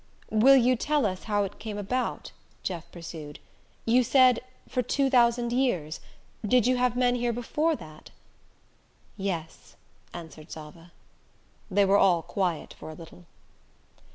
"Will you tell us how it came about?" Jeff pursued. "You said 'for two thousand years' did you have men here before that?" "Yes," answered Zava. They were all quiet for a little.